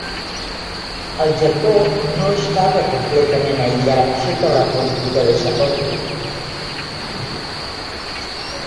El Japó no estava completament aïllat sota la política de "sakoku".